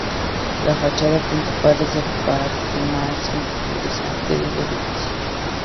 La fachada principal es la parte más interesante del edificio.